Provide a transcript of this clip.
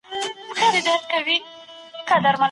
د دولت د سقوط پړاوونه واضح او مشخص دي.